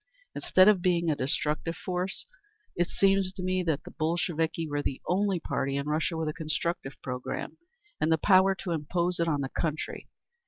Instead of being a destructive force, it seems to me that the Bolsheviki were the only party in Russia with a constructive program and the power to impose it on the country.